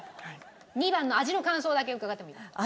２番の味の感想だけ伺ってもいいですか？